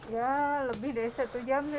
ya lebih dari satu jam